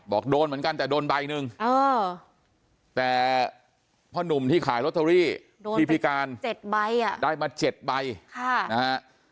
บอกโดนเหมือนกันแต่โดนใบหนึ่งเอ้อแต่พ่อนุ่มที่ขายล็อตเตอรี่โดนไปเจ็ดใบอะพี่พิการได้มาเจ็ดใบค่ะนะฮะ